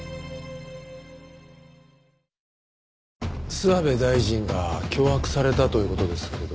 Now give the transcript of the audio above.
諏訪部大臣が脅迫されたという事ですけど。